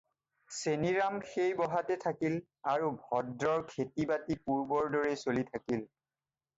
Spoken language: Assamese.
চেনিৰাম সেই বহাতে থাকিল আৰু ভদ্ৰৰ খেতি-বাতি পূৰ্বৰ দৰেই চলি থাকিল।